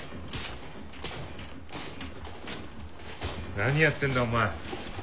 何やってんだお前。